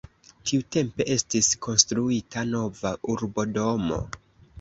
Tiutempe estis konstruita nova urbodomo.